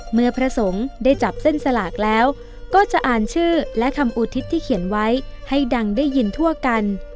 พระสงฆ์ได้จับเส้นสลากแล้วก็จะอ่านชื่อและคำอุทิศที่เขียนไว้ให้ดังได้ยินทั่วกัน